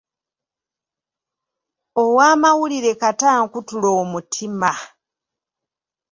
Ow'amawulire kata ankutule omutima.